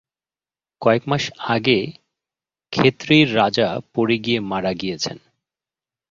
কয়েক মাস আগে খেতড়ির রাজা পড়ে গিয়ে মারা গিয়েছেন।